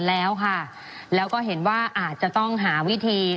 ไม่ได้เป็นประธานคณะกรุงตรี